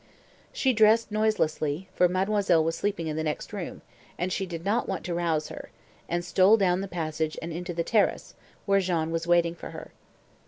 She dressed noiselessly, for mademoiselle was sleeping in the next room, and she did not want to rouse her, and stole down the passage and into the terrace, where Jean was waiting for her.